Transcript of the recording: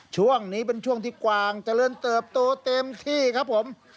ช่วงนี้เป็นช่วงที่กวางเจริญเติบโตเต็มที่ครับผม